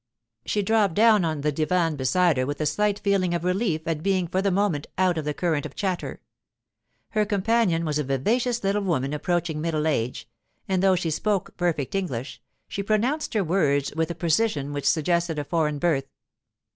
She dropped down on the divan beside her with a slight feeling of relief at being for the moment out of the current of chatter. Her companion was a vivacious little woman approaching middle age; and though she spoke perfect English, she pronounced her words with a precision which suggested a foreign birth.